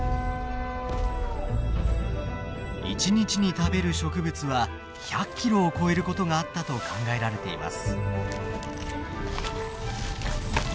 一日に食べる植物は１００キロを超えることがあったと考えられています。